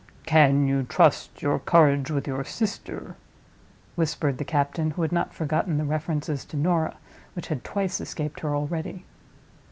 "Can you trust your courage with your sister?" whispered the captain, who had not forgotten the references to Norah which had twice escaped her already.